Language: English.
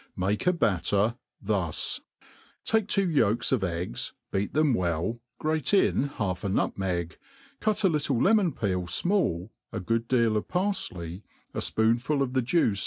^ Makife a batter thus : take two yolks ef «gg$,: Hat them Welt, gmtt In half a nuti^eg, cut a little lemon pbel fmaH, a good detfl of parfley, a' fpooftful of the juice